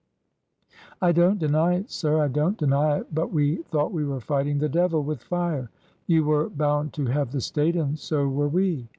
I don't deny it, sir ; I don't deny it. But we thought we were fighting the devil with fire. You were bound to have the State, and so were we."